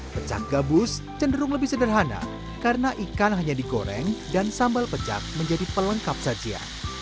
pecak gabus cenderung lebih sederhana karena ikan hanya digoreng dan sambal pecak menjadi pelengkap sajian